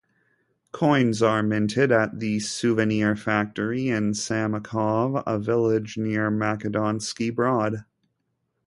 Coins are minted at the "Suvenir" factory in Samokov, a village near Makedonski Brod.